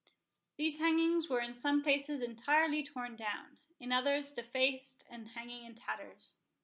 These hangings were in some places entirely torn down, in others defaced and hanging in tatters.